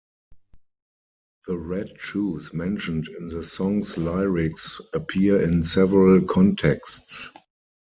The red shoes mentioned in the song's lyrics appear in several contexts.